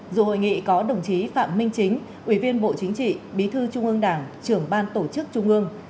dù hội nghị có đồng chí phạm minh chính ủy viên bộ chính trị bí thư trung ương đảng trưởng ban tổ chức trung ương